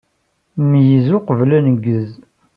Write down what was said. Meyyez uqbel aneggez.